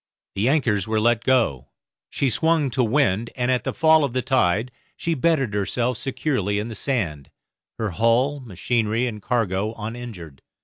The anchors were let go, she swung to wind, and at the fall of the tide she bedded herself securely in the sand, her hull, machinery, and cargo uninjured.